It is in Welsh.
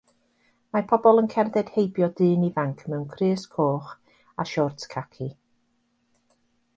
Mae pobl yn cerdded heibio dyn ifanc mewn crys coch a siorts caci.